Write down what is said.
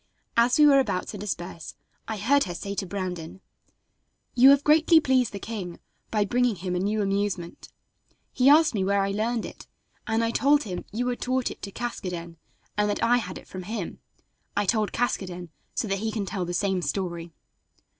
As we were about to disperse I heard her say to Brandon: "You have greatly pleased the king by bringing him a new amusement. He asked me where I learned it, and I told him you had taught it to Caskoden, and that I had it from him. I told Caskoden so that he can tell the same story."